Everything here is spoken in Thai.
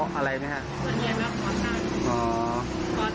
ขอตั้งในส่วนเด็กส่วนเด็กแล้ว